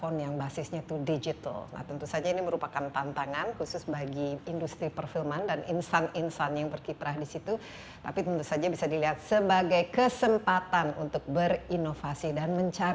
namanya juga mirip joko anwar